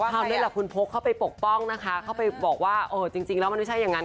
เท่านั้นคุณโภคเข้าไปปกป้องนะคะเข้าไปบอกว่าจริงแล้วมันไม่ใช่อย่างนั้น